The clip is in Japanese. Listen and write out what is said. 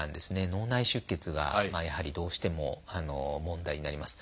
脳内出血がやはりどうしても問題になります。